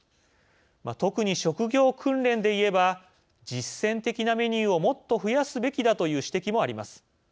特に、職業訓練で言えば「実践的なメニューをもっと増やすべきだ」という指摘もあります。